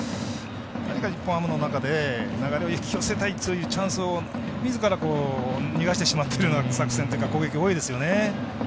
何か日本ハムの中で流れを引き寄せたいというチャンスをみずから逃がしてしまっているような作戦というか攻撃、多いですよね。